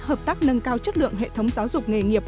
hợp tác nâng cao chất lượng hệ thống giáo dục nghề nghiệp